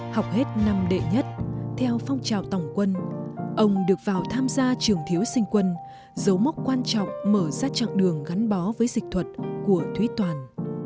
học hết năm đệ nhất theo phong trào tổng quân ông được vào tham gia trường thiếu sinh quân dấu mốc quan trọng mở ra chặng đường gắn bó với dịch thuật của thúy toàn